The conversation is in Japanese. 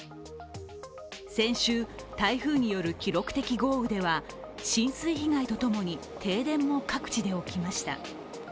先週、台風による記録的豪雨では浸水被害とともに停電も各地で起きました。